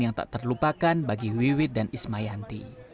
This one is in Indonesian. yang tak terlupakan bagi wiwit dan ismayanti